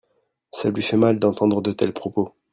Ça lui fait mal d'entendre de tels propos.